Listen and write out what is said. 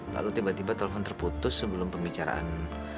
lalu tiba tiba telepon terputus sebelum pembicaraan